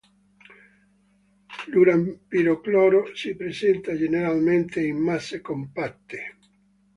L'uranpirocloro si presenta generalmente in masse compatte.